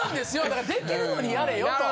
だからできるのにやれよと。